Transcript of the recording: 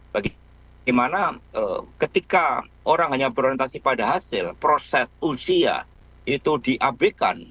bagaimana ketika orang hanya berorientasi pada hasil proses usia itu diabekan